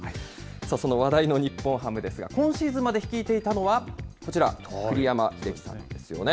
その話題の日本ハムですが、今シーズンまで率いていたのはこちら、栗山英樹さんですよね。